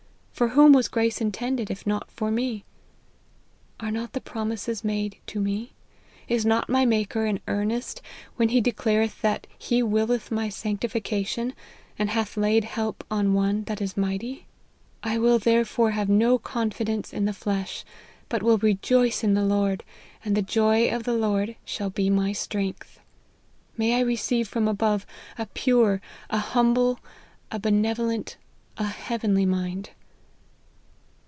For whom was grace intended, if not for me ? Are not the promises made to me ? Is not my Maker in earnest, when he declareth that he willeth my sanctifica tion, find hath laid help on one that is mighty ? 28 LIFE OF HENRY MARTYN. I will therefore have no confidence in the flesh, but will rejoice in the Lord, and the joy of the Lord shall be my strength. May I receive from above a pure, a humble, a benevolent, a heavenly mind